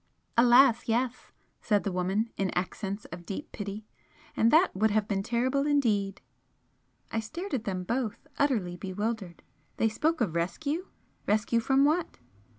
"Alas, yes!" said the woman, in accents of deep pity; "And that would have been terrible indeed!" I stared at them both, utterly bewildered. They spoke of rescue, rescue from what?